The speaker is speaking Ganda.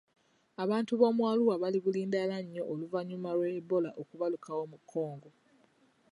Abantu b'omu Arua bali bulindaala oluvannyuma lwa Ebola okubalukawo mu Congo.